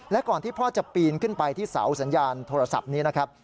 และก่อนที่พ่อจะปีนขึ้นไปที่เสาสัญญาณโทรศัพท์นี้นะครับ